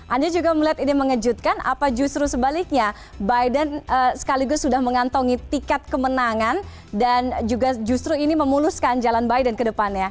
anda juga melihat ini mengejutkan apa justru sebaliknya biden sekaligus sudah mengantongi tiket kemenangan dan juga justru ini memuluskan jalan biden ke depannya